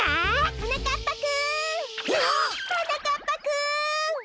はなかっぱくん！